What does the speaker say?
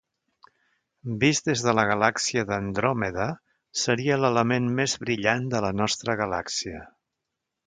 Vist des de la galàxia d'Andròmeda, seria l'element més brillant de la nostra galàxia.